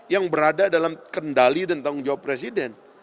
yang berada dalam kendali dan tanggung jawab presiden